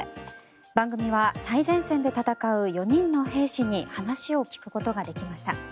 番組は最前線で戦う４人の兵士に話を聞くことができました。